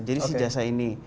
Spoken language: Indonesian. jadi si jasa ini